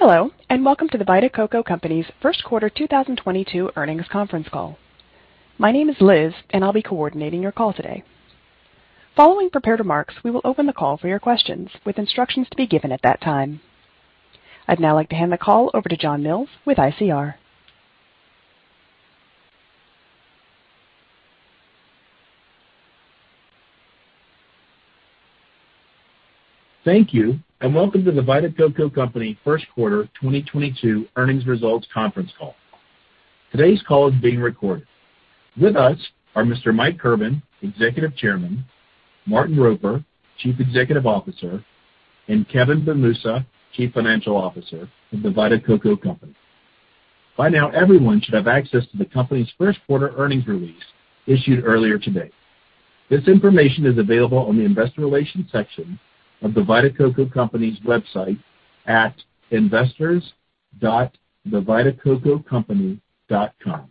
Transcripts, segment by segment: Hello, and welcome to The Vita Coco Company's first quarter 2022 earnings conference call. My name is Liz, and I'll be coordinating your call today. Following prepared remarks, we will open the call for your questions with instructions to be given at that time. I'd now like to hand the call over to John Mills with ICR. Thank you, and welcome to The Vita Coco Company first quarter 2022 earnings results conference call. Today's call is being recorded. With us are Mr. Mike Kirban, Executive Chairman, Martin Roper, Chief Executive Officer, and Kevin Benmoussa, Chief Financial Officer of The Vita Coco Company. By now, everyone should have access to the company's first quarter earnings release issued earlier today. This information is available on the investor relations section of The Vita Coco Company's website at investors.thevitacococompany.com.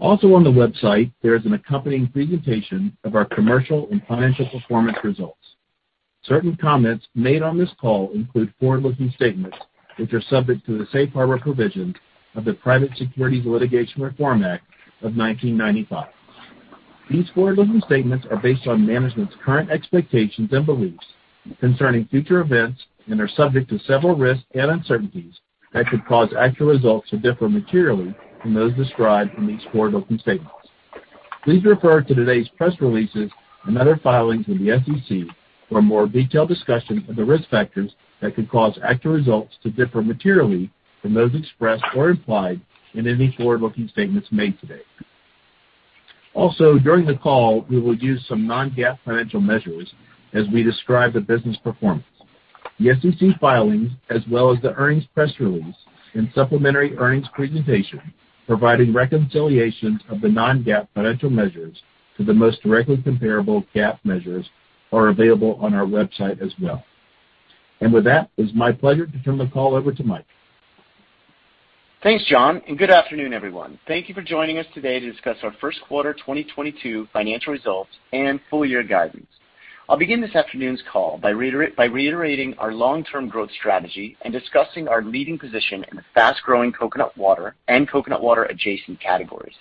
Also on the website, there is an accompanying presentation of our commercial and financial performance results. Certain comments made on this call include forward-looking statements, which are subject to the safe harbor provisions of the Private Securities Litigation Reform Act of 1995. These forward-looking statements are based on management's current expectations and beliefs concerning future events and are subject to several risks and uncertainties that could cause actual results to differ materially from those described in these forward-looking statements. Please refer to today's press releases and other filings with the SEC for a more detailed discussion of the risk factors that could cause actual results to differ materially from those expressed or implied in any forward-looking statements made today. Also, during the call, we will use some non-GAAP financial measures as we describe the business performance. The SEC filings as well as the earnings press release and supplementary earnings presentation providing reconciliations of the non-GAAP financial measures to the most directly comparable GAAP measures are available on our website as well. With that, it's my pleasure to turn the call over to Mike. Thanks, John, and good afternoon, everyone. Thank you for joining us today to discuss our first quarter 2022 financial results and full year guidance. I'll begin this afternoon's call by reiterating our long-term growth strategy and discussing our leading position in the fast-growing coconut water and coconut water adjacent categories.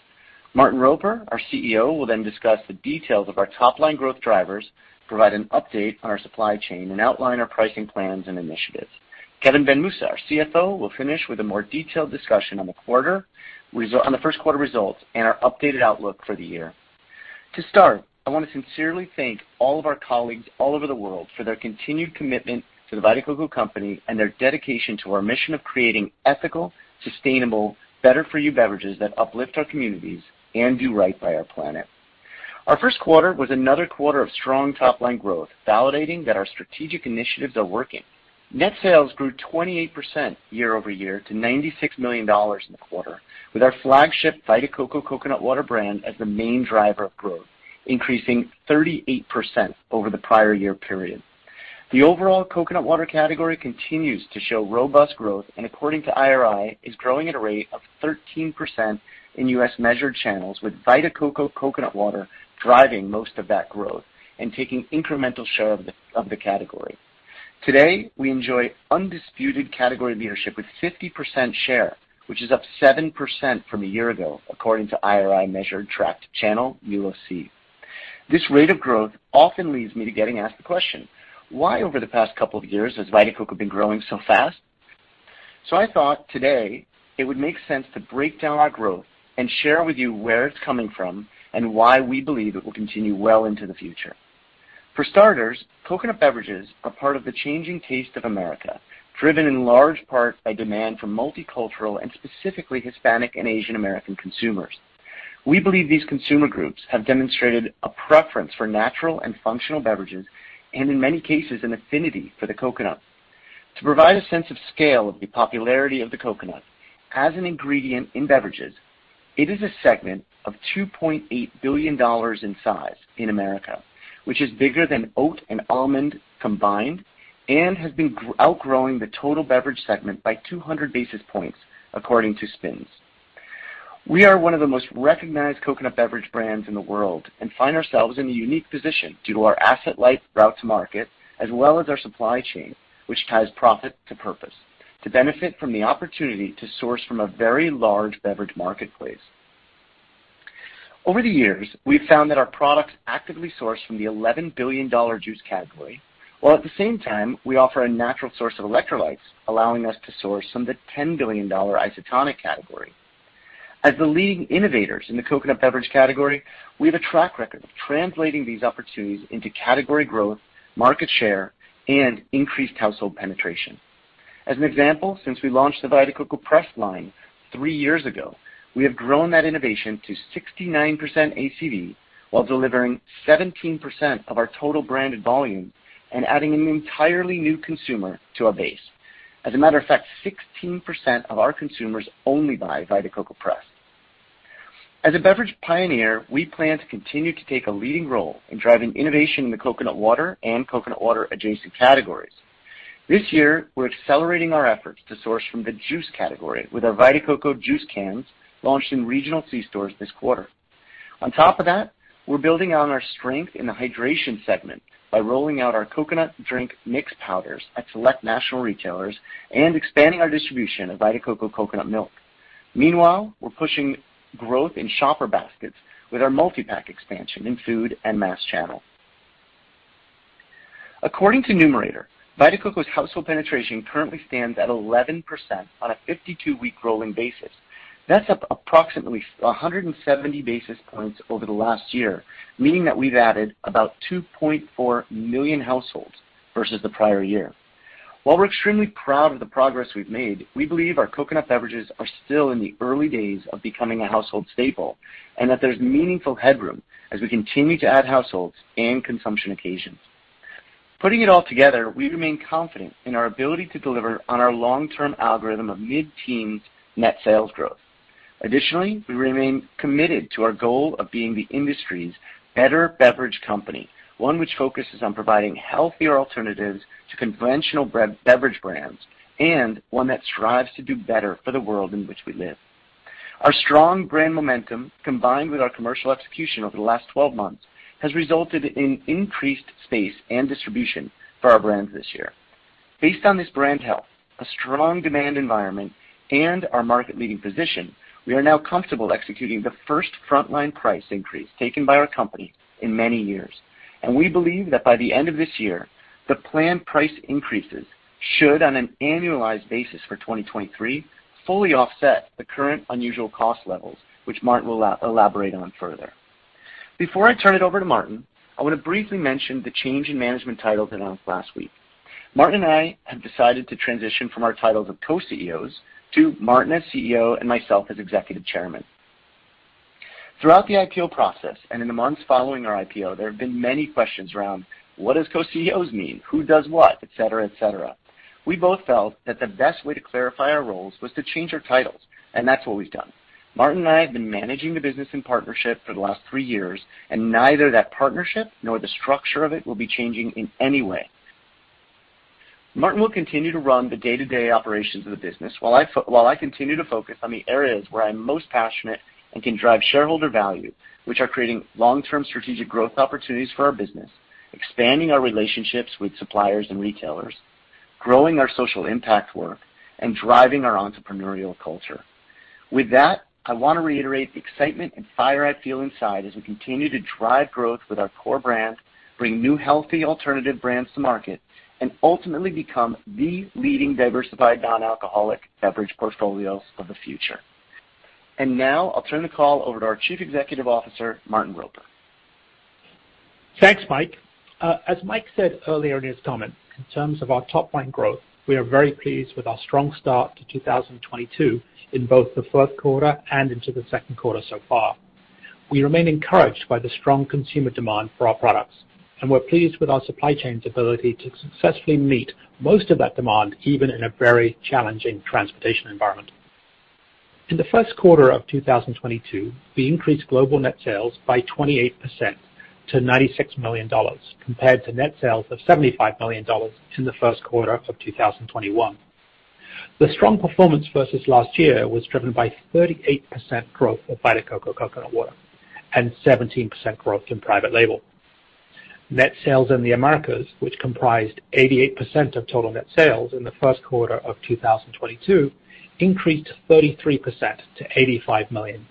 Martin Roper, our CEO, will then discuss the details of our top-line growth drivers, provide an update on our supply chain, and outline our pricing plans and initiatives. Kevin Benmoussa, our CFO, will finish with a more detailed discussion on the first quarter results and our updated outlook for the year. To start, I wanna sincerely thank all of our colleagues all over the world for their continued commitment to The Vita Coco Company and their dedication to our mission of creating ethical, sustainable, better for you beverages that uplift our communities and do right by our planet. Our first quarter was another quarter of strong top-line growth, validating that our strategic initiatives are working. Net sales grew 28% year-over-year to $96 million in the quarter, with our flagship Vita Coco coconut water brand as the main driver of growth, increasing 38% over the prior year period. The overall coconut water category continues to show robust growth and according to IRI is growing at a rate of 13% in U.S. measured channels, with Vita Coco coconut water driving most of that growth and taking incremental share of the category. Today, we enjoy undisputed category leadership with 50% share, which is up 7% from a year ago, according to IRI-measured tracked channel UPC. This rate of growth often leads me to getting asked the question, why over the past couple of years has Vita Coco been growing so fast? I thought today it would make sense to break down our growth and share with you where it's coming from and why we believe it will continue well into the future. For starters, coconut beverages are part of the changing taste of America, driven in large part by demand from multicultural and specifically Hispanic and Asian American consumers. We believe these consumer groups have demonstrated a preference for natural and functional beverages and in many cases, an affinity for the coconut. To provide a sense of scale of the popularity of the coconut as an ingredient in beverages, it is a segment of $2.8 billion in size in America, which is bigger than oat and almond combined and has been outgrowing the total beverage segment by 200 basis points, according to SPINS. We are one of the most recognized coconut beverage brands in the world and find ourselves in a unique position due to our asset-light route to market as well as our supply chain, which ties profit to purpose, to benefit from the opportunity to source from a very large beverage marketplace. Over the years, we've found that our products actively source from the $11 billion juice category, while at the same time, we offer a natural source of electrolytes, allowing us to source from the $10 billion isotonic category. As the leading innovators in the coconut beverage category, we have a track record of translating these opportunities into category growth, market share, and increased household penetration. As an example, since we launched the Vita Coco Pressed line three years ago, we have grown that innovation to 69% ACV while delivering 17% of our total branded volume and adding an entirely new consumer to our base. As a matter of fact, 16% of our consumers only buy Vita Coco Pressed. As a beverage pioneer, we plan to continue to take a leading role in driving innovation in the coconut water and coconut water adjacent categories. This year, we're accelerating our efforts to source from the juice category with our Vita Coco juice cans launched in regional C-stores this quarter. On top of that, we're building on our strength in the hydration segment by rolling out our coconut drink mix powders at select national retailers and expanding our distribution of Vita Coco coconut milk. Meanwhile, we're pushing growth in shopper baskets with our multi-pack expansion in food and mass channel. According to Numerator, Vita Coco's household penetration currently stands at 11% on a 52-week rolling basis. That's up approximately 170 basis points over the last year, meaning that we've added about 2.4 million households versus the prior year. While we're extremely proud of the progress we've made, we believe our coconut beverages are still in the early days of becoming a household staple, and that there's meaningful headroom as we continue to add households and consumption occasions. Putting it all together, we remain confident in our ability to deliver on our long-term algorithm of mid-teen net sales growth. Additionally, we remain committed to our goal of being the industry's better beverage company, one which focuses on providing healthier alternatives to conventional beverage brands, and one that strives to do better for the world in which we live. Our strong brand momentum, combined with our commercial execution over the last 12 months, has resulted in increased space and distribution for our brands this year. Based on this brand health, a strong demand environment, and our market leading position, we are now comfortable executing the first frontline price increase taken by our company in many years. We believe that by the end of this year, the planned price increases should, on an annualized basis for 2023, fully offset the current unusual cost levels, which Martin will elaborate on further. Before I turn it over to Martin, I want to briefly mention the change in management titles announced last week. Martin and I have decided to transition from our titles of co-CEOs to Martin as CEO and myself as executive chairman. Throughout the IPO process and in the months following our IPO, there have been many questions around what does co-CEOs mean? Who does what? Et cetera, et cetera. We both felt that the best way to clarify our roles was to change our titles, and that's what we've done. Martin and I have been managing the business in partnership for the last three years, and neither that partnership nor the structure of it will be changing in any way. Martin will continue to run the day-to-day operations of the business, while I continue to focus on the areas where I'm most passionate and can drive shareholder value, which are creating long-term strategic growth opportunities for our business, expanding our relationships with suppliers and retailers, growing our social impact work, and driving our entrepreneurial culture. With that, I want to reiterate the excitement and fire I feel inside as we continue to drive growth with our core brands, bring new, healthy alternative brands to market, and ultimately become the leading diversified non-alcoholic beverage portfolios of the future. Now I'll turn the call over to our Chief Executive Officer, Martin Roper. Thanks, Mike. As Mike said earlier in his comment, in terms of our top line growth, we are very pleased with our strong start to 2022 in both the first quarter and into the second quarter so far. We remain encouraged by the strong consumer demand for our products, and we're pleased with our supply chain's ability to successfully meet most of that demand, even in a very challenging transportation environment. In the first quarter of 2022, we increased global net sales by 28% to $96 million, compared to net sales of $75 million in the first quarter of 2021. The strong performance versus last year was driven by 38% growth of Vita Coco Coconut Water and 17% growth in private label. Net sales in the Americas, which comprised 88% of total net sales in the first quarter of 2022, increased 33% to $85 million,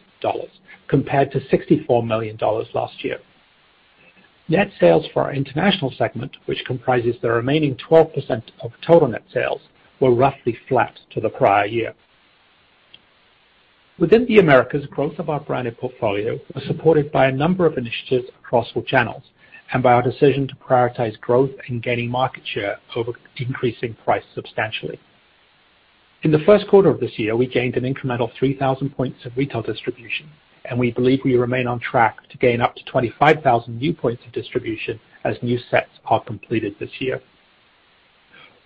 compared to $64 million last year. Net sales for our international segment, which comprises the remaining 12% of total net sales, were roughly flat to the prior year. Within the Americas, growth of our branded portfolio was supported by a number of initiatives across all channels and by our decision to prioritize growth and gaining market share over increasing price substantially. In the first quarter of this year, we gained an incremental 3,000 points of retail distribution, and we believe we remain on track to gain up to 25,000 new points of distribution as new sets are completed this year.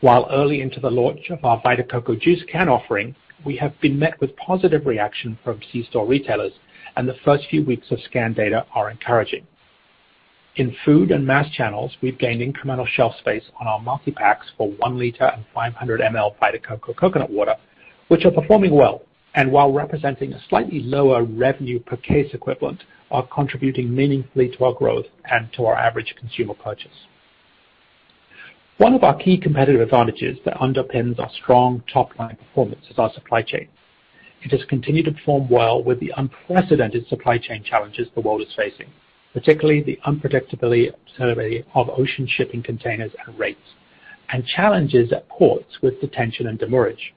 While early into the launch of our Vita Coco Coconut Juice can offering, we have been met with positive reaction from C-store retailers and the first few weeks of scan data are encouraging. In food and mass channels, we've gained incremental shelf space on our multi-packs for 1-liter and 500 mL Vita Coco Coconut Water, which are performing well. While representing a slightly lower revenue per case equivalent, are contributing meaningfully to our growth and to our average consumer purchase. One of our key competitive advantages that underpins our strong top line performance is our supply chain. It has continued to perform well with the unprecedented supply chain challenges the world is facing, particularly the unpredictability of supply of ocean shipping containers and rates, and challenges at ports with detention and demurrage.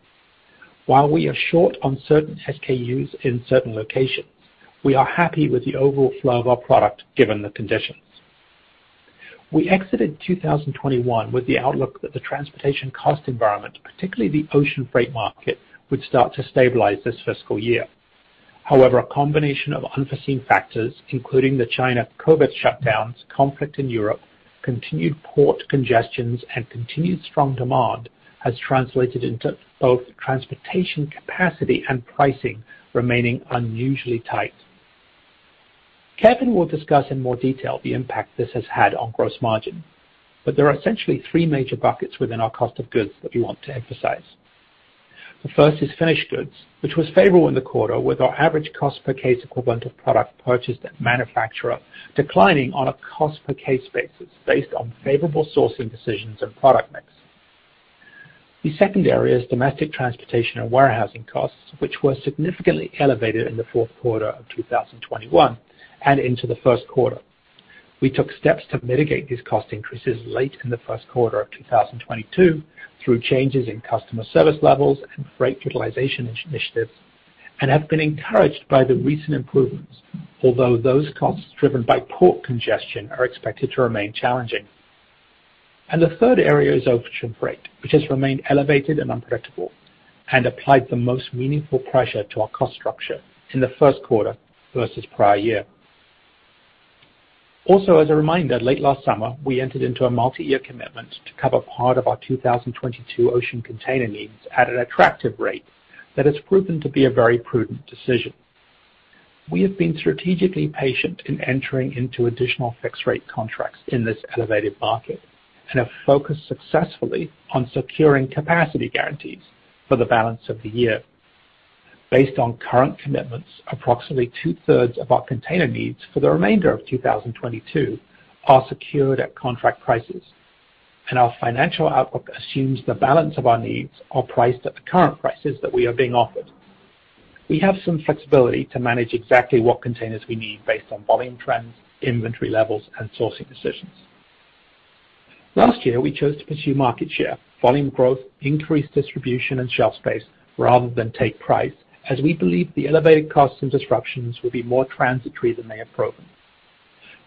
While we are short on certain SKUs in certain locations, we are happy with the overall flow of our product given the conditions. We exited 2021 with the outlook that the transportation cost environment, particularly the ocean freight market, would start to stabilize this fiscal year. However, a combination of unforeseen factors, including the China COVID shutdowns, conflict in Europe, continued port congestions, and continued strong demand, has translated into both transportation capacity and pricing remaining unusually tight. Kevin will discuss in more detail the impact this has had on gross margin, but there are essentially three major buckets within our cost of goods that we want to emphasize. The first is finished goods, which was favorable in the quarter with our average cost per case equivalent of product purchased at manufacturer declining on a cost per case basis based on favorable sourcing decisions and product mix. The second area is domestic transportation and warehousing costs, which were significantly elevated in the fourth quarter of 2021 and into the first quarter. We took steps to mitigate these cost increases late in the first quarter of 2022 through changes in customer service levels and freight utilization initiatives, and have been encouraged by the recent improvements. Although those costs driven by port congestion are expected to remain challenging. The third area is ocean freight, which has remained elevated and unpredictable and applied the most meaningful pressure to our cost structure in the first quarter versus prior year. Also, as a reminder, late last summer, we entered into a multi-year commitment to cover part of our 2022 ocean container needs at an attractive rate that has proven to be a very prudent decision. We have been strategically patient in entering into additional fixed rate contracts in this elevated market and have focused successfully on securing capacity guarantees for the balance of the year. Based on current commitments, approximately two-thirds of our container needs for the remainder of 2022 are secured at contract prices, and our financial outlook assumes the balance of our needs are priced at the current prices that we are being offered. We have some flexibility to manage exactly what containers we need based on volume trends, inventory levels, and sourcing decisions. Last year, we chose to pursue market share, volume growth, increased distribution, and shelf space rather than take price, as we believe the elevated costs and disruptions will be more transitory than they have proven.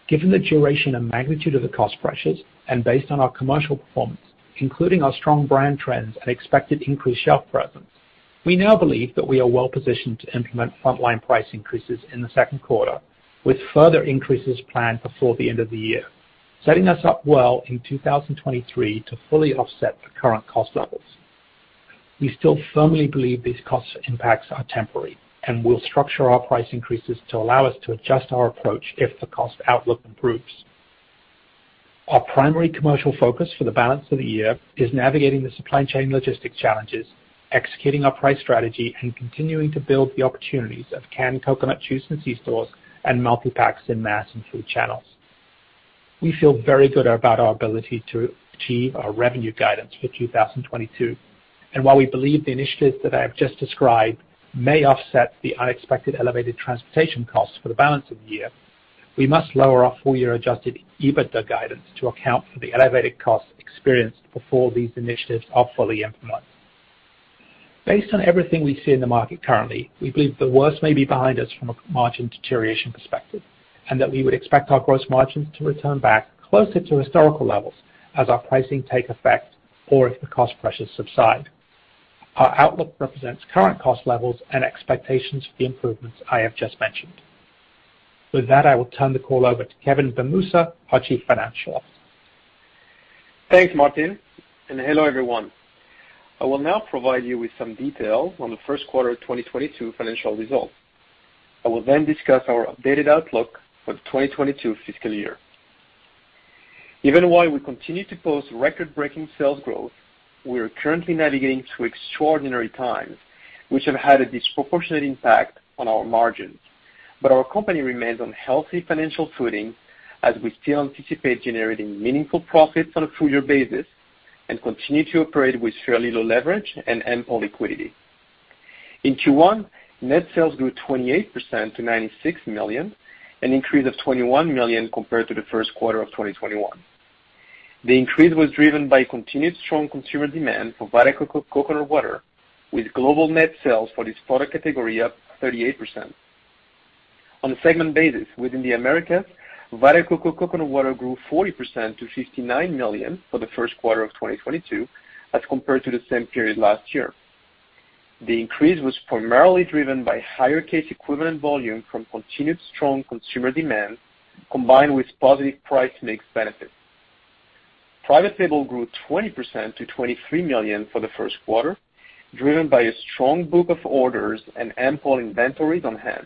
Given the duration and magnitude of the cost pressures and based on our commercial performance, including our strong brand trends and expected increased shelf presence, we now believe that we are well positioned to implement frontline price increases in the second quarter, with further increases planned before the end of the year, setting us up well in 2023 to fully offset the current cost levels. We still firmly believe these cost impacts are temporary and will structure our price increases to allow us to adjust our approach if the cost outlook improves. Our primary commercial focus for the balance of the year is navigating the supply chain logistics challenges, executing our price strategy, and continuing to build the opportunities of canned coconut juice and C-stores and multi-packs in mass and food channels. We feel very good about our ability to achieve our revenue guidance for 2022, and while we believe the initiatives that I have just described may offset the unexpected elevated transportation costs for the balance of the year, we must lower our full year adjusted EBITDA guidance to account for the elevated costs experienced before these initiatives are fully implemented. Based on everything we see in the market currently, we believe the worst may be behind us from a margin deterioration perspective, and that we would expect our gross margins to return back closer to historical levels as our pricing take effect or if the cost pressures subside. Our outlook represents current cost levels and expectations for the improvements I have just mentioned. With that, I will turn the call over to Kevin Benmoussa, our Chief Financial Officer. Thanks, Martin, and hello, everyone. I will now provide you with some detail on the first quarter of 2022 financial results. I will then discuss our updated outlook for the 2022 fiscal year. Even while we continue to post record-breaking sales growth, we are currently navigating through extraordinary times which have had a disproportionate impact on our margins. Our company remains on healthy financial footing as we still anticipate generating meaningful profits on a full year basis and continue to operate with fairly low leverage and ample liquidity. In Q1, net sales grew 28% to $96 million, an increase of $21 million compared to the first quarter of 2021. The increase was driven by continued strong consumer demand for Vita Coco Coconut Water, with global net sales for this product category up 38%. On a segment basis within the Americas, Vita Coco Coconut Water grew 40% to $59 million for the first quarter of 2022 as compared to the same period last year. The increase was primarily driven by higher case equivalent volume from continued strong consumer demand, combined with positive price mix benefits. Private label grew 20% to $23 million for the first quarter, driven by a strong book of orders and ample inventories on hand.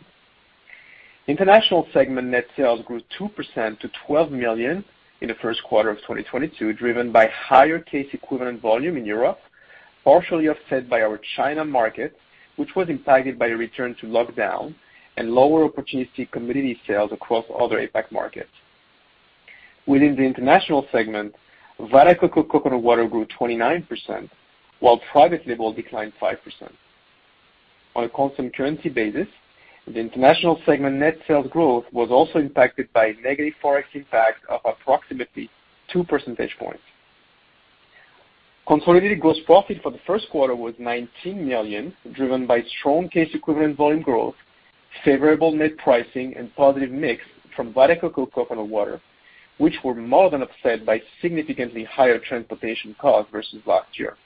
International segment net sales grew 2% to $12 million in the first quarter of 2022, driven by higher case equivalent volume in Europe, partially offset by our China market, which was impacted by a return to lockdown and lower opportunistic community sales across other APAC markets. Within the international segment, Vita Coco Coconut Water grew 29%, while private label declined 5%. On a constant currency basis, the international segment net sales growth was also impacted by negative Forex impact of approximately two percentage points. Consolidated gross profit for the first quarter was $19 million, driven by strong case equivalent volume growth, favorable net pricing, and positive mix from Vita Coco Coconut Water, which were more than offset by significantly higher transportation costs versus last year.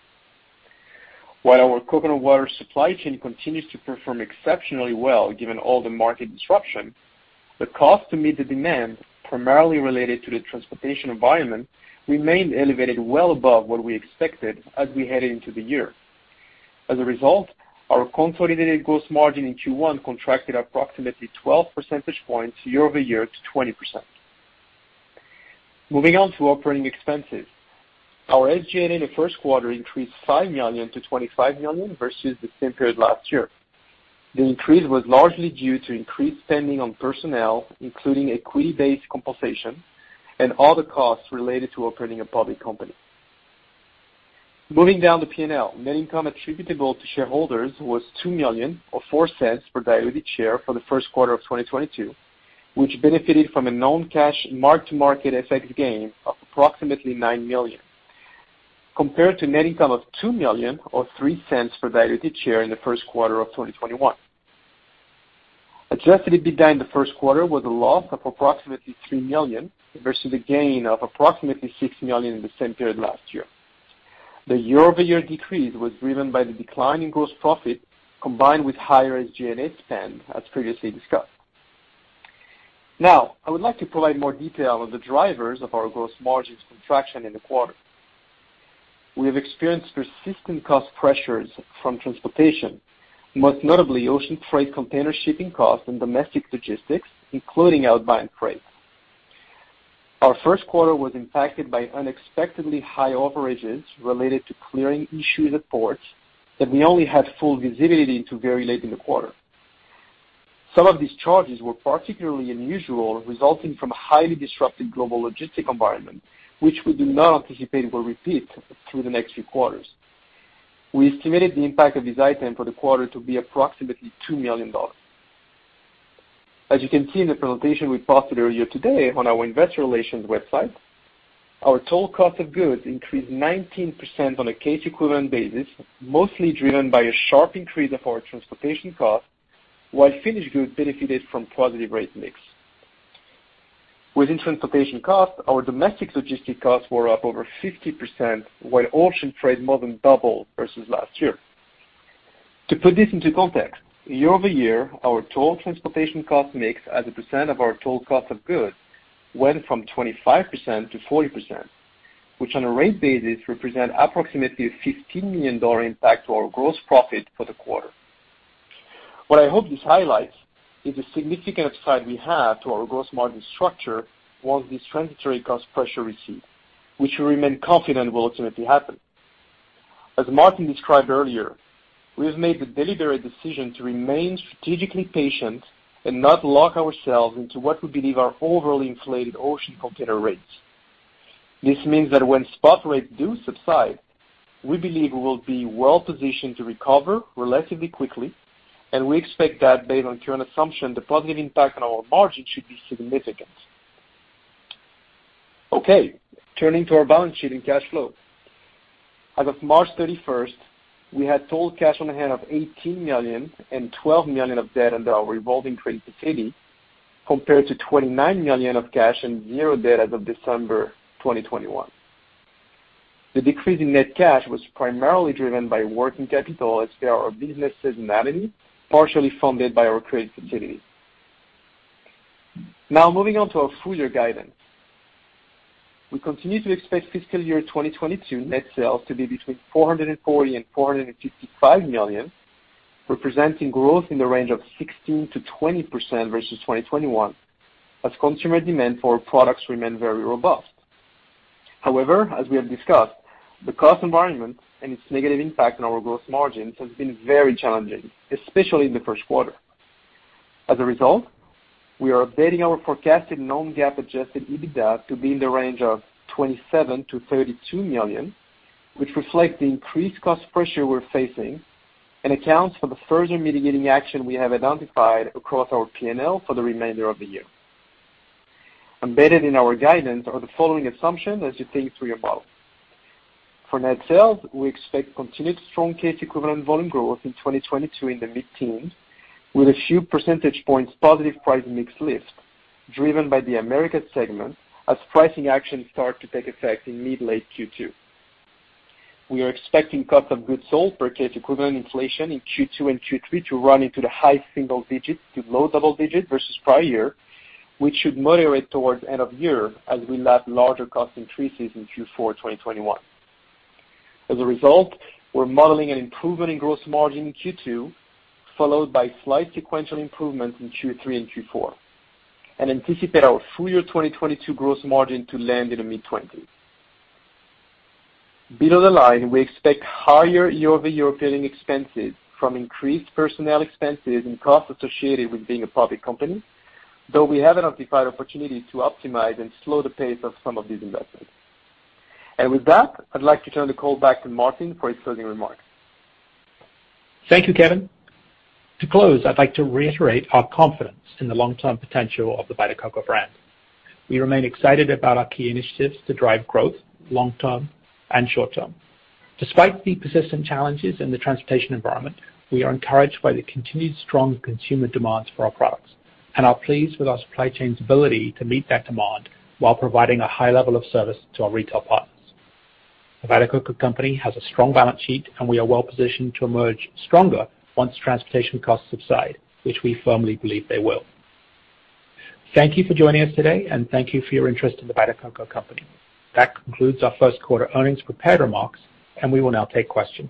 While our coconut water supply chain continues to perform exceptionally well given all the market disruption, the cost to meet the demand, primarily related to the transportation environment, remained elevated well above what we expected as we headed into the year. As a result, our consolidated gross margin in Q1 contracted approximately 12 percentage points year-over-year to 20%. Moving on to operating expenses. Our SG&A in the first quarter increased $5 million to $25 million versus the same period last year. The increase was largely due to increased spending on personnel, including equity-based compensation and other costs related to operating a public company. Moving down the P&L, net income attributable to shareholders was $2 million or $0.04 per diluted share for the first quarter of 2022, which benefited from a non-cash mark-to-market effect gain of approximately $9 million, compared to net income of $2 million or $0.03 per diluted share in the first quarter of 2021. Adjusted EBITDA in the first quarter was a loss of approximately $3 million versus a gain of approximately $6 million in the same period last year. The year-over-year decrease was driven by the decline in gross profit, combined with higher SG&A spend, as previously discussed. Now, I would like to provide more detail on the drivers of our gross margins contraction in the quarter. We have experienced persistent cost pressures from transportation, most notably ocean freight container shipping costs and domestic logistics, including outbound freight. Our first quarter was impacted by unexpectedly high overages related to clearing issues at ports that we only had full visibility to very late in the quarter. Some of these charges were particularly unusual, resulting from a highly disruptive global logistics environment, which we do not anticipate will repeat through the next few quarters. We estimated the impact of this item for the quarter to be approximately $2 million. As you can see in the presentation we posted earlier today on our investor relations website, our total cost of goods increased 19% on a case equivalent basis, mostly driven by a sharp increase of our transportation costs, while finished goods benefited from positive rate mix. Within transportation costs, our domestic logistic costs were up over 50%, while ocean trade more than doubled versus last year. To put this into context, year-over-year, our total transportation cost mix as a percent of our total cost of goods went from 25% to 40%, which on a rate basis represent approximately a $15 million impact to our gross profit for the quarter. What I hope this highlights is the significant upside we have to our gross margin structure once this transitory cost pressure recedes, which we remain confident will ultimately happen. As Martin described earlier, we have made the deliberate decision to remain strategically patient and not lock ourselves into what we believe are overly inflated ocean container rates. This means that when spot rates do subside, we believe we will be well-positioned to recover relatively quickly, and we expect that based on current assumption, the positive impact on our margin should be significant. Okay, turning to our balance sheet and cash flow. As of March 31st, we had total cash on hand of $18 million and $12 million of debt under our revolving credit facility, compared to $29 million of cash and $0 debt as of December 2021. The decrease in net cash was primarily driven by working capital as per our business seasonality, partially funded by our credit facility. Now moving on to our full year guidance. We continue to expect fiscal year 2022 net sales to be between $440 million and $455 million, representing growth in the range of 16%-20% versus 2021, as consumer demand for our products remain very robust. However, as we have discussed, the cost environment and its negative impact on our gross margins has been very challenging, especially in the first quarter. As a result, we are updating our forecasted non-GAAP adjusted EBITDA to be in the range of $27 million-$32 million, which reflect the increased cost pressure we're facing and accounts for the further mitigating action we have identified across our P&L for the remainder of the year. Embedded in our guidance are the following assumptions as you think through your model. For net sales, we expect continued strong case equivalent volume growth in 2022 in the mid-teens%, with a few percentage points positive price mix lift driven by the Americas segment as pricing actions start to take effect in mid-late Q2. We are expecting cost of goods sold per case equivalent inflation in Q2 and Q3 to run into the high single digits% to low double digits% versus prior year, which should moderate towards end of year as we lap larger cost increases in Q4 2021. As a result, we're modeling an improvement in gross margin in Q2, followed by slight sequential improvements in Q3 and Q4, and anticipate our full year 2022 gross margin to land in the mid-twenties%. Below the line, we expect higher year-over-year operating expenses from increased personnel expenses and costs associated with being a public company, though we have identified opportunities to optimize and slow the pace of some of these investments. With that, I'd like to turn the call back to Martin for his closing remarks. Thank you, Kevin. To close, I'd like to reiterate our confidence in the long-term potential of the Vita Coco brand. We remain excited about our key initiatives to drive growth long-term and short-term. Despite the persistent challenges in the transportation environment, we are encouraged by the continued strong consumer demands for our products and are pleased with our supply chain's ability to meet that demand while providing a high level of service to our retail partners. The Vita Coco Company has a strong balance sheet, and we are well-positioned to emerge stronger once transportation costs subside, which we firmly believe they will. Thank you for joining us today, and thank you for your interest in the Vita Coco Company. That concludes our first quarter earnings prepared remarks, and we will now take questions.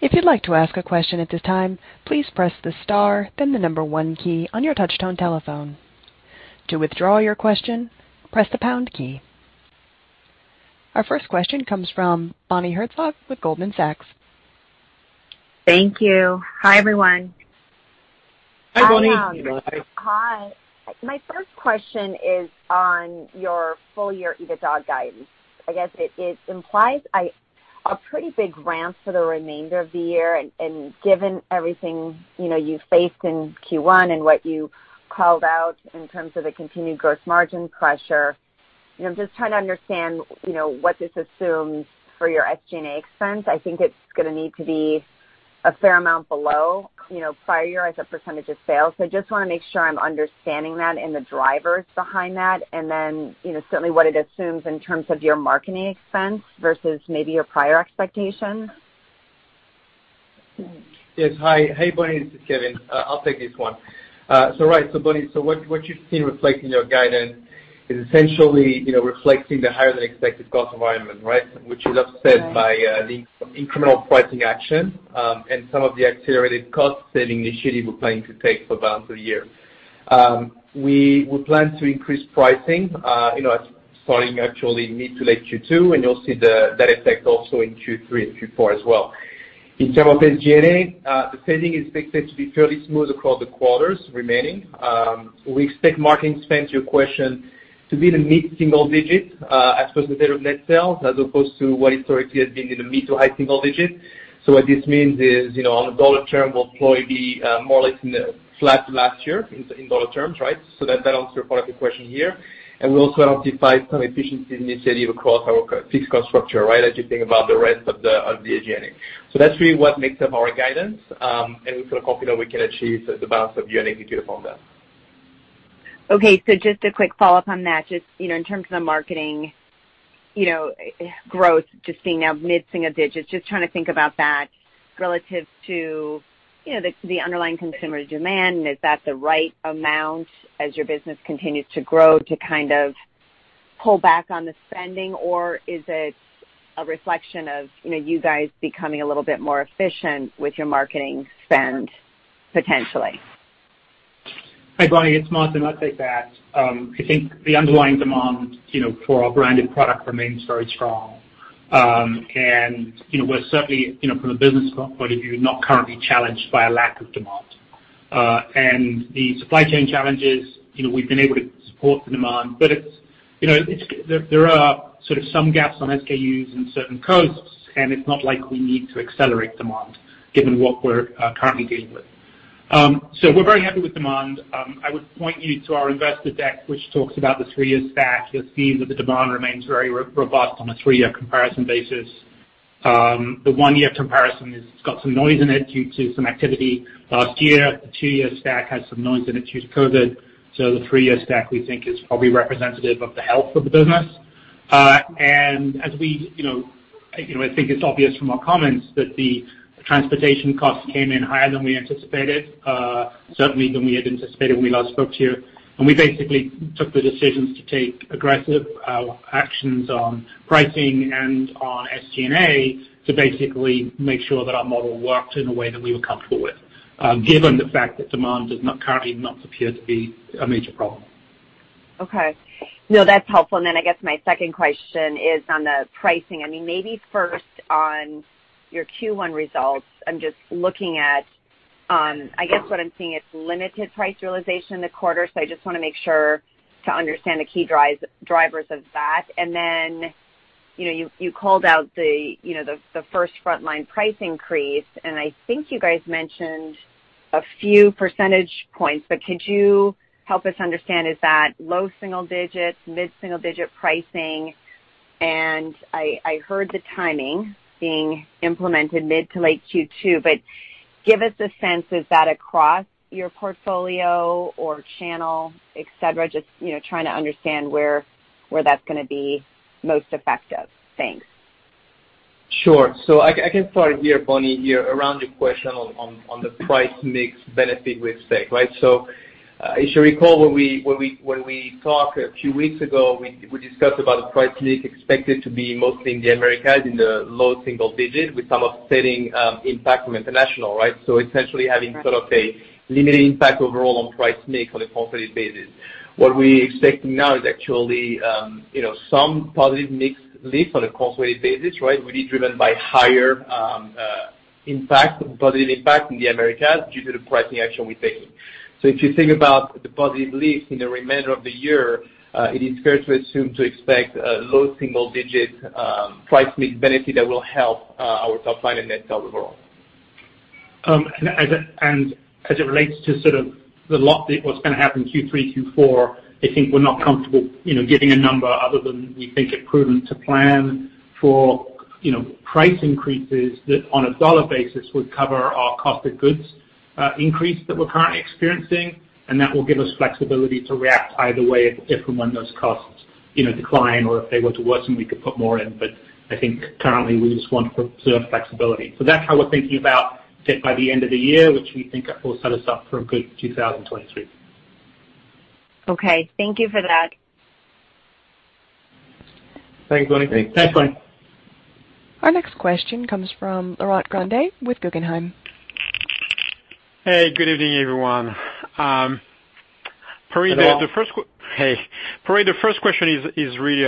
If you'd like to ask a question at this time, please press the star then the number one key on your touchtone telephone. To withdraw your question, press the pound key. Our first question comes from Bonnie Herzog with Goldman Sachs. Thank you. Hi, everyone. Hi, Bonnie. Hi. My first question is on your full year EBITDA guidance. I guess it implies a pretty big ramp for the remainder of the year. Given everything, you know, you faced in Q1 and what you called out in terms of the continued gross margin pressure, you know, I'm just trying to understand, you know, what this assumes for your SG&A expense. I think it's gonna need to be a fair amount below, you know, prior year as a percentage of sales. I just wanna make sure I'm understanding that and the drivers behind that. You know, certainly what it assumes in terms of your marketing expense versus maybe your prior expectations. Yes. Hi. Hey, Bonnie, this is Kevin. I'll take this one. Right. Bonnie, what you've seen reflected in your guidance is essentially, you know, reflecting the higher than expected cost environment, right? Which is offset by the incremental pricing action, and some of the accelerated cost saving initiatives we're planning to take for the balance of the year. We will plan to increase pricing, you know, starting actually mid to late Q2, and you'll see that effect also in Q3 and Q4 as well. In terms of SG&A, the saving is expected to be fairly smooth across the quarters remaining. We expect marketing spend, to your question, to be in the mid-single digit as a percentage of net sales, as opposed to what historically has been in the mid to high single digit. What this means is, you know, on a dollar term, we'll probably be more or less flat last year in dollar terms, right? That answers part of your question here. We also identified some efficiency initiative across our fixed cost structure, right, as you think about the rest of the SG&A. That's really what makes up our guidance, and we feel confident we can achieve the balance of the year executed on that. Okay, just a quick follow-up on that. Just, you know, in terms of the marketing, you know, growth, just seeing now mid-single digits, just trying to think about that relative to, you know, the underlying consumer demand. Is that the right amount as your business continues to grow to kind of pull back on the spending? Or is it a reflection of, you know, you guys becoming a little bit more efficient with your marketing spend potentially? Hi, Bonnie, it's Martin. I'll take that. I think the underlying demand, you know, for our branded product remains very strong. We're certainly, you know, from a business point of view, not currently challenged by a lack of demand. The supply chain challenges, you know, we've been able to support the demand, but it's, you know, there are sort of some gaps on SKUs and certain coasts, and it's not like we need to accelerate demand given what we're currently dealing with. We're very happy with demand. I would point you to our investor deck, which talks about the three-year stack. You'll see that the demand remains very robust on a three-year comparison basis. The one-year comparison is it's got some noise in it due to some activity last year. The two-year stack has some noise in it due to COVID. The three-year stack, we think, is probably representative of the health of the business. As we, you know, I think it's obvious from our comments that the transportation costs came in higher than we anticipated, certainly than we had anticipated when we last spoke to you. We basically took the decisions to take aggressive actions on pricing and on SG&A to basically make sure that our model worked in a way that we were comfortable with, given the fact that demand currently does not appear to be a major problem. Okay. No, that's helpful. Then I guess my second question is on the pricing. I mean, maybe first on your Q1 results, I'm just looking at. I guess what I'm seeing is limited price realization in the quarter. I just wanna make sure to understand the key drivers of that. Then, you know, you called out the, you know, the first frontline price increase, and I think you guys mentioned a few percentage points, but could you help us understand, is that low single digits, mid-single digit pricing? I heard the timing being implemented mid to late Q2, but give us a sense, is that across your portfolio or channel, et cetera? Just, you know, trying to understand where that's gonna be most effective. Thanks. Sure. I can start here, Bonnie, around your question on the price mix benefit we expect, right? As you recall, when we talked a few weeks ago, we discussed about the price mix expected to be mostly in the Americas in the low single digits with some offsetting impact from international, right? Essentially having sort of a limited impact overall on price mix on a cost-weighted basis. What we're expecting now is actually you know, some positive mix lift on a cost-weighted basis, right, will be driven by higher positive impact in the Americas due to the pricing action we're taking. If you think about the positive lift in the remainder of the year, it is fair to assume to expect a low single-digit price mix benefit that will help our top line and net sales overall. And as it relates to sort of a lot that was gonna happen in Q3, Q4, I think we're not comfortable, you know, giving a number other than we think it prudent to plan for, you know, price increases that, on a dollar basis, would cover our cost of goods increase that we're currently experiencing, and that will give us flexibility to react either way if and when those costs, you know, decline or if they were to worsen, we could put more in. But I think currently we just want to preserve flexibility. That's how we're thinking about it by the end of the year, which we think will set us up for a good 2023. Okay. Thank you for that. Thanks, Bonnie. Thanks, Bonnie. Our next question comes from Laurent Grandet with Guggenheim. Hey, good evening, everyone. Paris, the first- Hello. Hey. Paris, the first question is really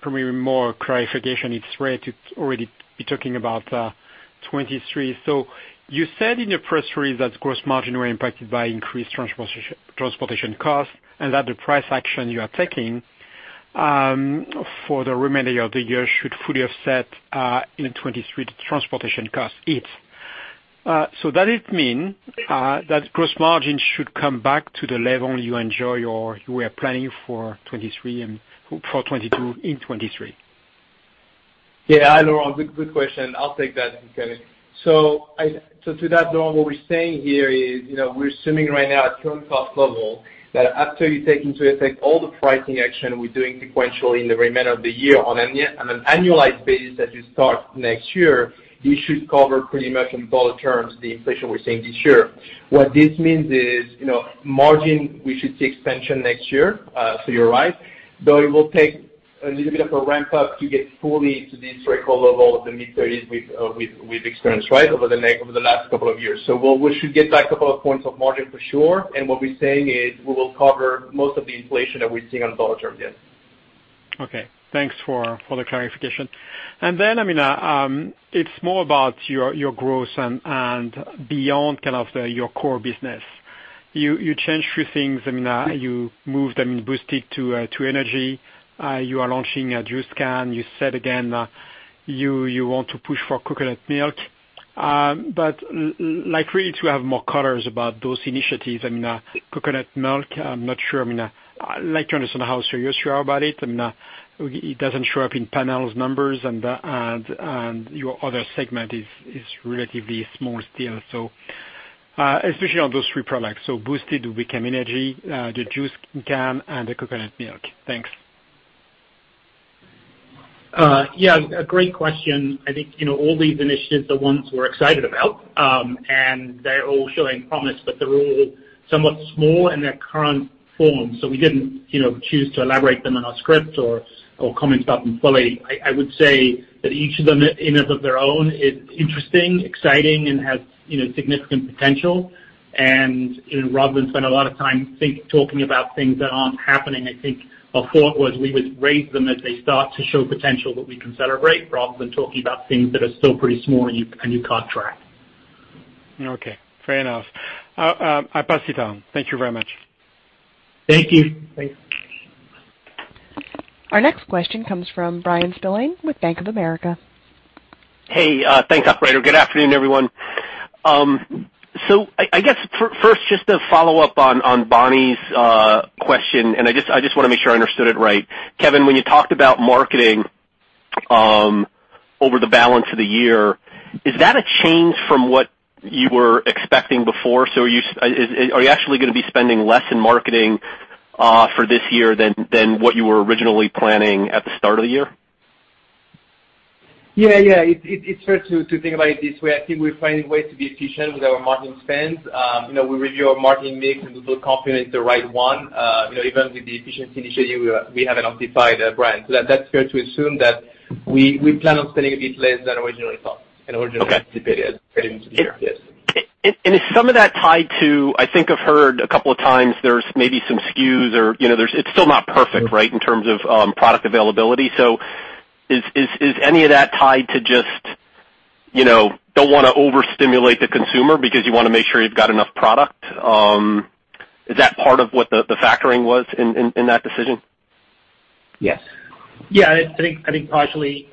probably more clarification. It's rare to already be talking about 2023. You said in your press release that gross margin were impacted by increased transportation costs and that the price action you are taking for the remainder of the year should fully offset in 2023 the transportation cost increases. Does it mean that gross margin should come back to the level you enjoy or you were planning for 2023 and for 2022 in 2023? Yeah. Hi, Laurent. Good question. I'll take that, Kevin. To that, Laurent, what we're saying here is, you know, we're assuming right now at current cost level that after you take into effect all the pricing action we're doing sequentially in the remainder of the year on an annualized basis as you start next year, you should cover pretty much in dollar terms the inflation we're seeing this year. What this means is, you know, margin, we should see expansion next year, so you're right. Though it will take a little bit of a ramp up to get fully to the historical level of the mid thirties with experience, right? Over the last couple of years. We should get back a couple of points of margin for sure, and what we're saying is we will cover most of the inflation that we're seeing on a dollar term basis. Okay. Thanks for the clarification. I mean, it's more about your growth and beyond kind of your core business. You changed a few things. I mean, you moved Boosted to energy. You are launching a Coconut Juice. You said again, you want to push for Coconut Milk. But like for you to have more color about those initiatives. I mean, Coconut Milk, I'm not sure. I mean, I'd like to understand how serious you are about it. I mean, it doesn't show up in panel's numbers and your other segment is relatively small still. Especially on those three products. Boosted became energy, the Coconut Juice, and the Coconut Milk. Thanks. Yeah, a great question. I think, you know, all these initiatives are ones we're excited about, and they're all showing promise, but they're all somewhat small in their current form. We didn't, you know, choose to elaborate them in our script or comment about them fully. I would say that each of them in and of themselves is interesting, exciting and has, you know, significant potential. You know, rather than spend a lot of time talking about things that aren't happening, I think our thought was we would raise them as they start to show potential that we can celebrate rather than talking about things that are still pretty small and you can't track. Okay, fair enough. I pass it on. Thank you very much. Thank you. Thanks. Our next question comes from Brian Stein with Bank of America. Hey, thanks, operator. Good afternoon, everyone. I guess first, just to follow up on Bonnie's question, and I just wanna make sure I understood it right. Kevin, when you talked about marketing over the balance of the year, is that a change from what you were expecting before? Are you actually gonna be spending less in marketing for this year than what you were originally planning at the start of the year? Yeah. It's fair to think about it this way. I think we're finding ways to be efficient with our marketing spends. You know, we review our marketing mix and we feel confident it's the right one. You know, even with the efficiency initiative, we have identified our brand. That's fair to assume that we plan on spending a bit less than originally thought and originally anticipated heading into the year. Yes. Is some of that tied to? I think I've heard a couple of times there's maybe some SKUs or, you know, there's. It's still not perfect, right, in terms of product availability. Is any of that tied to just, you know, don't wanna overstimulate the consumer because you wanna make sure you've got enough product? Is that part of what the factoring was in that decision? Yes. Yeah. I think partially,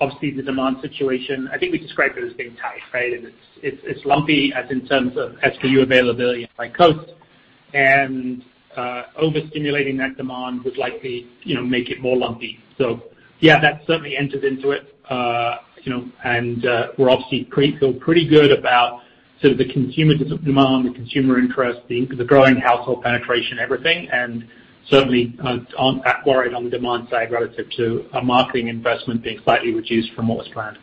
obviously the demand situation. I think we described it as being tight, right? It's lumpy in terms of SKU availability by coast. Overstimulating that demand would likely, you know, make it more lumpy. Yeah, that certainly enters into it. You know, we're obviously feel pretty good about sort of the consumer demand, the consumer interest, the growing household penetration, everything, and certainly aren't that worried on the demand side relative to a marketing investment being slightly reduced from what was planned.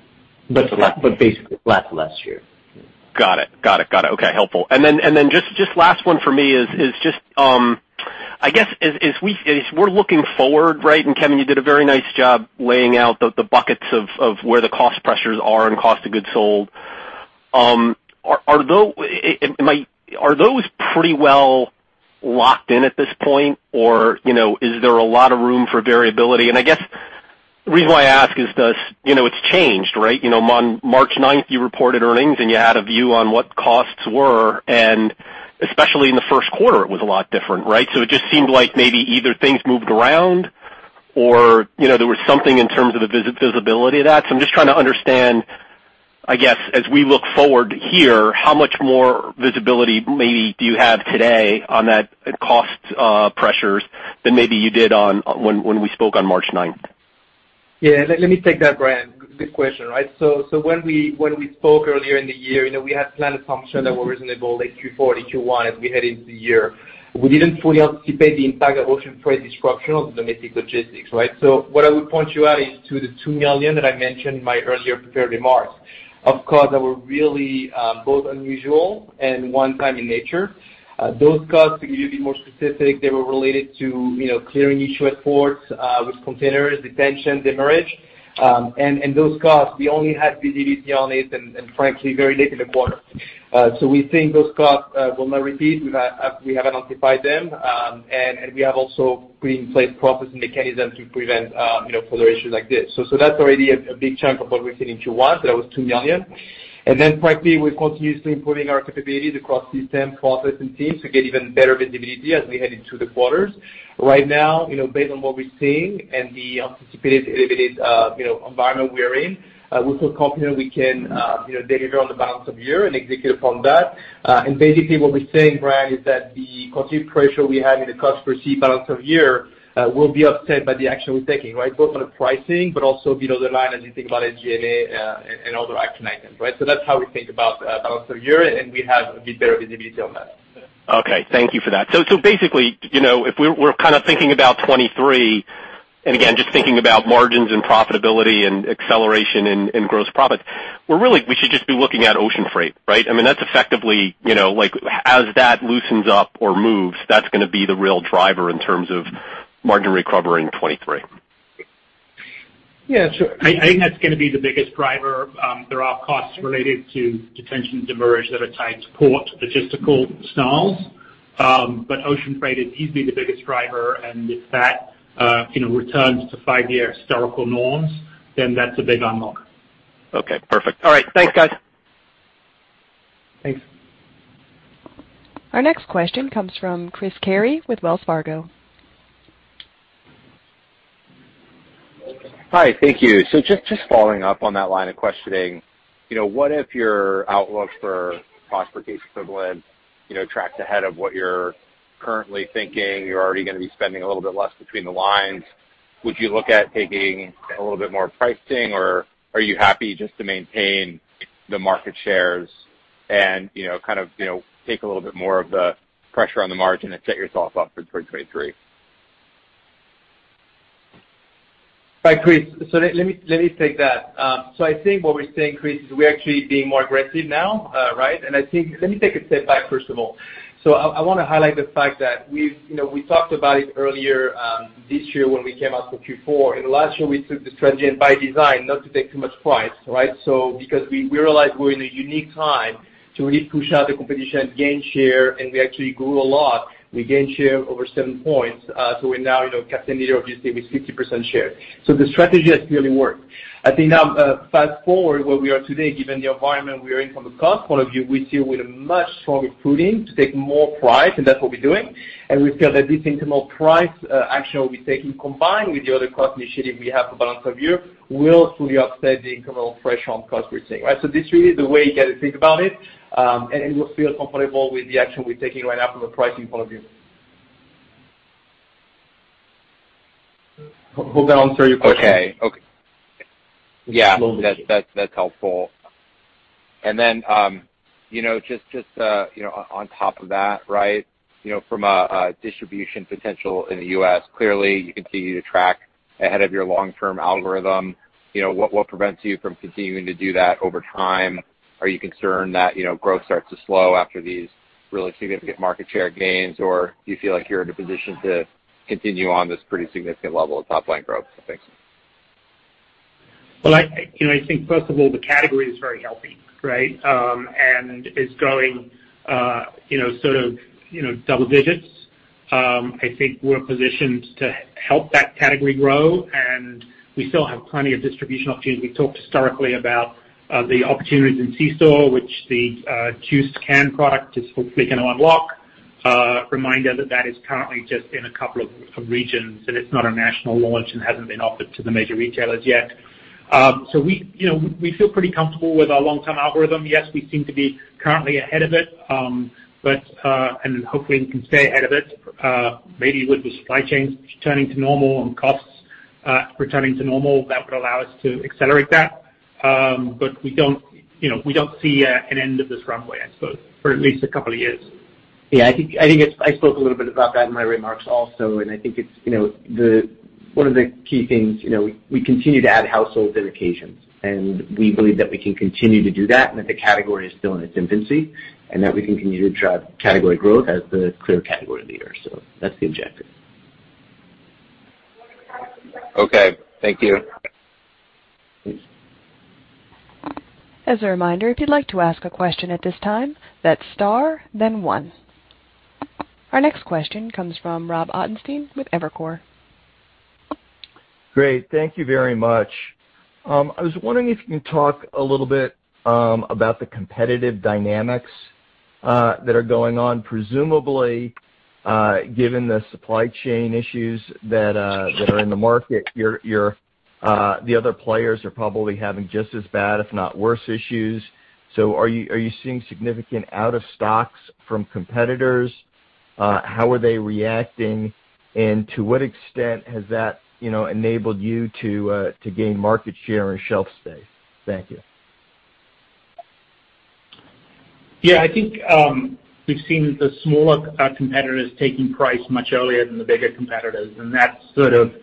Basically flat to last year. Got it. Okay, helpful. Just last one for me is just, I guess as we're looking forward, right, and Kevin, you did a very nice job laying out the buckets of where the cost pressures are and cost of goods sold. Are those pretty well locked in at this point or, you know, is there a lot of room for variability? I guess the reason why I ask is, you know, it's changed, right? You know, on March ninth you reported earnings and you had a view on what costs were, and especially in the first quarter it was a lot different, right? It just seemed like maybe either things moved around or, you know, there was something in terms of the visibility of that. I'm just trying to understand, I guess, as we look forward here, how much more visibility maybe do you have today on that cost pressures than maybe you did when we spoke on March ninth? Let me take that, Brian. Good question, right? When we spoke earlier in the year, you know, we had planned assumptions that were reasonable, like Q4, Q1 as we head into the year. We didn't fully anticipate the impact of ocean freight disruption on the domestic logistics, right? What I would point you at is the $2 million that I mentioned in my earlier prepared remarks. Of course, they were really both unusual and one-time in nature. Those costs, to give you more specifics, they were related to, you know, clearing issues at ports with containers, detention, demurrage. And those costs, we only had visibility on it and frankly very late in the quarter. We think those costs will not repeat. We have identified them, and we have also put in place processes and mechanism to prevent, you know, further issues like this. That's already a big chunk of what we're seeing. Q1, that was $2 million. Frankly, we're continuously improving our capabilities across systems, process and teams to get even better visibility as we head into the quarters. Right now, you know, based on what we're seeing and the anticipated elevated, you know, environment we are in, we feel confident we can, you know, deliver on the back half of year and execute upon that. Basically what we're saying, Brian, is that the continued pressure we have in the cost per seat back half of year will be offset by the action we're taking, right? Both on the pricing, but also below the line as you think about G&A, and other action items, right? That's how we think about balance of year, and we have a bit better visibility on that. Okay, thank you for that. Basically, you know, if we're kind of thinking about 2023, and again, just thinking about margins and profitability and acceleration in gross profit, we're really, we should just be looking at ocean freight, right? I mean, that's effectively, you know, like as that loosens up or moves, that's gonna be the real driver in terms of margin recovery in 2023. Yeah, sure. I think that's gonna be the biggest driver. There are costs related to detention, demurrage that are tied to port logistical stalls. Ocean freight is easily the biggest driver. If that you know returns to five-year historical norms, then that's a big unlock. Okay, perfect. All right, thanks guys. Thanks. Our next question comes from Chris Carey with Wells Fargo. Hi, thank you. Just following up on that line of questioning. You know, what if your outlook for cost per case equivalent, you know, tracks ahead of what you're currently thinking, you're already gonna be spending a little bit less between the lines. Would you look at taking a little bit more pricing, or are you happy just to maintain the market shares and, you know, kind of, you know, take a little bit more of the pressure on the margin and set yourself up for 2023? Hi, Chris. Let me take that. I think what we're saying, Chris, is we're actually being more aggressive now, right? Let me take a step back first of all. I wanna highlight the fact that we've, you know, we talked about it earlier, this year when we came out for Q4, and last year we took the strategy and by design not to take too much price, right? Because we realized we're in a unique time to really push out the competition, gain share, and we actually grew a lot. We gained share over 7 points. We're now, you know, category leader, obviously with 50% share. The strategy has clearly worked. I think now, fast-forward where we are today, given the environment we are in from a cost point of view, we feel with a much stronger footing to take more price, and that's what we're doing. We feel that this incremental price action we'll be taking combined with the other cost initiative we have for balance of year will fully offset the incremental pressure on cost we're seeing, right? This really is the way you gotta think about it, and we feel comfortable with the action we're taking right now from a pricing point of view. Hope that answered your question. Okay. Yeah, that's helpful. Then, you know, just, you know, on top of that, right? You know, from a distribution potential in the U.S., clearly you continue to track ahead of your long-term algorithm. You know, what prevents you from continuing to do that over time? Are you concerned that, you know, growth starts to slow after these really significant market share gains, or do you feel like you're in a position to continue on this pretty significant level of top line growth? Thanks. Well, you know, I think first of all, the category is very healthy, right? And is growing, you know, sort of, double digits. I think we're positioned to help that category grow, and we still have plenty of distribution opportunities. We've talked historically about the opportunities in C-store, which the juice can product is hopefully gonna unlock. Reminder that that is currently just in a couple of regions, and it's not a national launch and hasn't been offered to the major retailers yet. So we, you know, we feel pretty comfortable with our long-term algorithm. Yes, we seem to be currently ahead of it, but and hopefully we can stay ahead of it, maybe with the supply chains returning to normal and costs returning to normal, that would allow us to accelerate that. We don't, you know, we don't see an end of this runway, I suppose, for at least a couple of years. Yeah, I think it's, I spoke a little bit about that in my remarks also, and I think it's, you know, the one of the key things, you know, we continue to add households and occasions, and we believe that we can continue to do that, and that the category is still in its infancy, and that we can continue to drive category growth as the clear category leader. That's the objective. Okay, thank you. As a reminder, if you'd like to ask a question at this time, that's star then one. Our next question comes from Robert Ottenstein with Evercore. Great. Thank you very much. I was wondering if you can talk a little bit about the competitive dynamics that are going on. Presumably, given the supply chain issues that are in the market, the other players are probably having just as bad if not worse issues. Are you seeing significant out-of-stocks from competitors? How are they reacting? To what extent has that, you know, enabled you to gain market share and shelf space? Thank you. Yeah, I think we've seen the smaller competitors taking price much earlier than the bigger competitors, and that sort of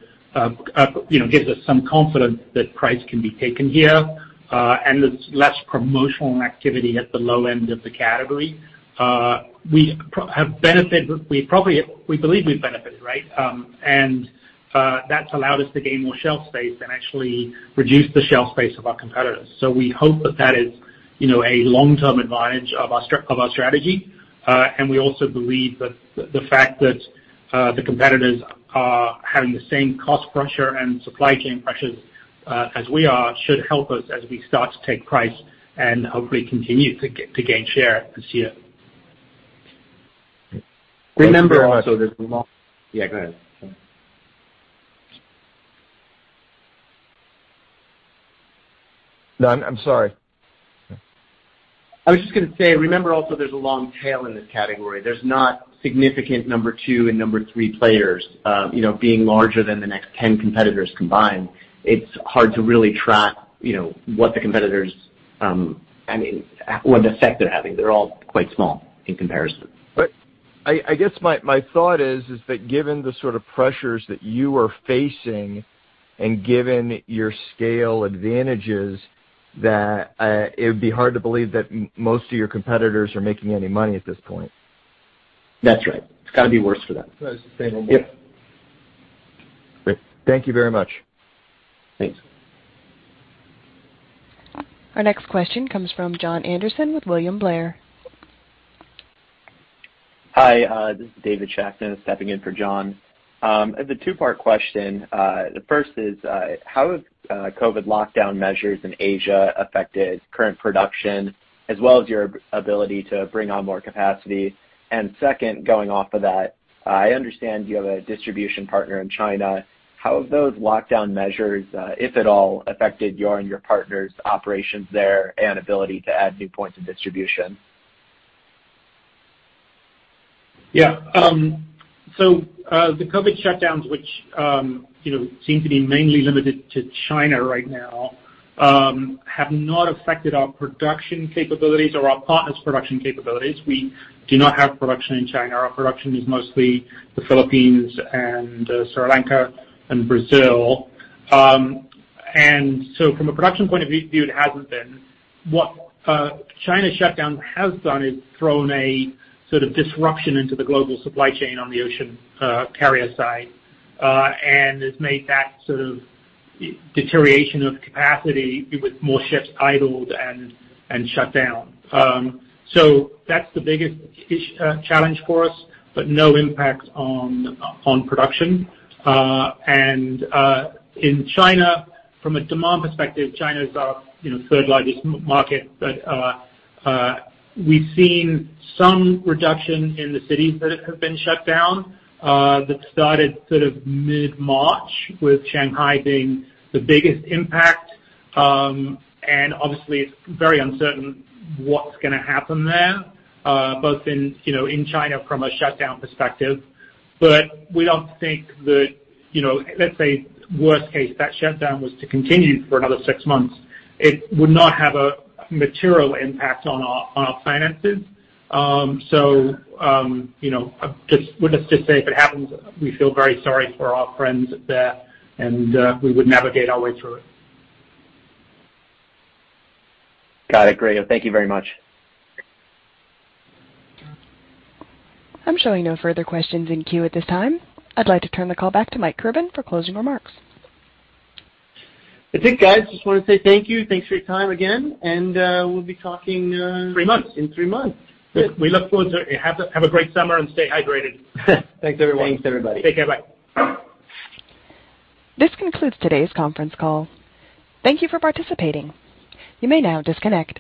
you know gives us some confidence that price can be taken here, and there's less promotional activity at the low end of the category. We believe we've benefited, right? That's allowed us to gain more shelf space and actually reduce the shelf space of our competitors. We hope that that is you know a long-term advantage of our strategy. We also believe that the fact that the competitors are having the same cost pressure and supply chain pressures as we are should help us as we start to take price and hopefully continue to gain share this year. Remember also there's long. Yeah, go ahead. No, I'm sorry. I was just gonna say, remember also there's a long tail in this category. There's not significant number two and number three players, you know, being larger than the next ten competitors combined. It's hard to really track, you know, what the competitors, I mean or the effect they're having. They're all quite small in comparison. I guess my thought is that given the sort of pressures that you are facing and given your scale advantages, it would be hard to believe that most of your competitors are making any money at this point. That's right. It's gotta be worse for them. Can I just say one more? Great. Thank you very much. Thanks. Our next question comes from John Anderson with William Blair. Hi, this is David Shakno stepping in for John. I have a two-part question. The first is, how has COVID lockdown measures in Asia affected current production as well as your ability to bring on more capacity? Second, going off of that, I understand you have a distribution partner in China. How have those lockdown measures, if at all, affected your and your partner's operations there and ability to add new points of distribution? The COVID shutdowns, which, you know, seem to be mainly limited to China right now, have not affected our production capabilities or our partners' production capabilities. We do not have production in China. Our production is mostly the Philippines and Sri Lanka and Brazil. From a production point of view, it hasn't been. What China's shutdown has done is thrown a sort of disruption into the global supply chain on the ocean carrier side, and has made that sort of deterioration of capacity with more ships idled and shut down. That's the biggest challenge for us, but no impact on production. In China, from a demand perspective, China is our, you know, third largest market. We've seen some reduction in the cities that have been shut down that started sort of mid-March, with Shanghai being the biggest impact. Obviously it's very uncertain what's gonna happen there, both in, you know, in China from a shutdown perspective. We don't think that, you know, let's say worst case, that shutdown was to continue for another six months, it would not have a material impact on our finances. You know, let's just say if it happens, we feel very sorry for our friends there and we would navigate our way through it. Got it. Great. Thank you very much. I'm showing no further questions in queue at this time. I'd like to turn the call back to Mike Kirban for closing remarks. I think, guys, just wanna say thank you. Thanks for your time again, and we'll be talking. Three months. In three months. We look forward to it. Have a great summer and stay hydrated. Thanks, everyone. Thanks, everybody. Take care. Bye. This concludes today's conference call. Thank you for participating. You may now disconnect.